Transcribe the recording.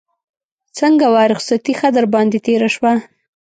څنګه وه رخصتي ښه در باندې تېره شوه.